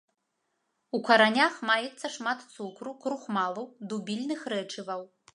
У каранях маецца шмат цукру, крухмалу, дубільных рэчываў.